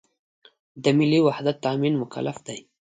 د ملي وحدت تأمین مکلف دی.